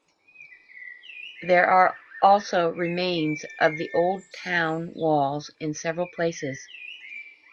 There are also remains of the old town walls in several places.